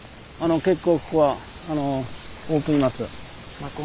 結構ここは多くいます。